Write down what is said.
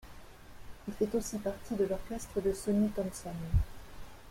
Il fait aussi partie de l'orchestre de Sonny Thompson.